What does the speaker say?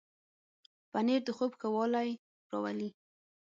پنېر د خوب ښه والی راولي.